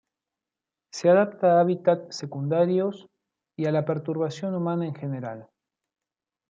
Se adapta a hábitat secundarios y a la perturbación humana en general.